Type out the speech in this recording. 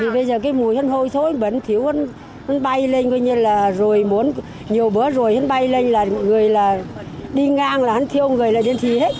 bây giờ mùi hôn hôi thối vẫn thiếu hôn bay lên như là nhiều bữa rồi hôn bay lên là người đi ngang là hôn thiêu người là điên thi hết